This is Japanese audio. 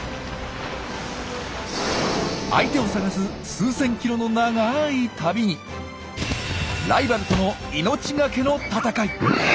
相手を探す数千キロの長い旅にライバルとの命がけの戦い。